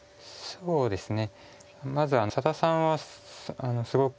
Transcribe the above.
そうですね。